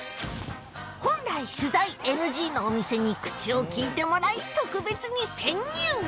本来取材ＮＧのお店に口を利いてもらい特別に潜入